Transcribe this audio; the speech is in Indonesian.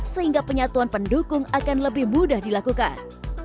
sehingga penyatuan pendukung akan lebih mudah dilakukan